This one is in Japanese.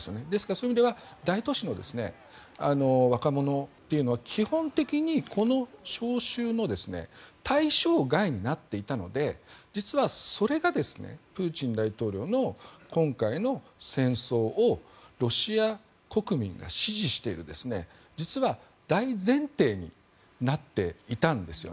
そういう意味では大都市の若者は基本的に、この招集の対象外になっていたので実は、それがプーチン大統領の今回の戦争をロシア国民が支持している実は大前提になっていたんです。